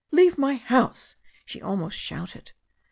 Leave my house," she almost shouted.